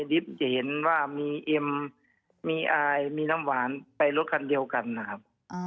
ดิบจะเห็นว่ามีเอ็มมีอายมีน้ำหวานไปรถคันเดียวกันนะครับ